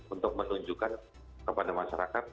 untuk menunjukkan kepada masyarakat